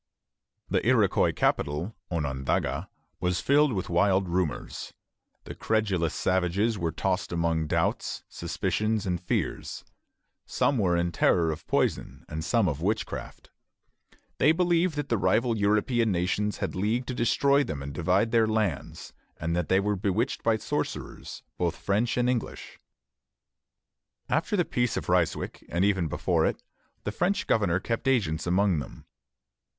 The Iroquois capital, Onondaga, was filled with wild rumors. The credulous savages were tossed among doubts, suspicions, and fears. Some were in terror of poison, and some of witchcraft. They believed that the rival European nations had leagued to destroy them and divide their lands, and that they were bewitched by sorcerers, both French and English. After the Peace of Ryswick, and even before it, the French governor kept agents among them.